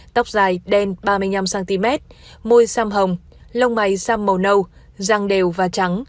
tóc dài đen ba mươi năm cm môi xăm hồng lông mày xăm màu nâu răng đều và trắng